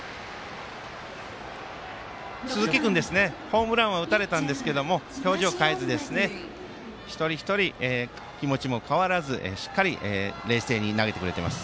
鈴木君ホームランは打たれたんですけど表情変えずに一人一人、気持ちも変わらずしっかり冷静に投げてくれてます。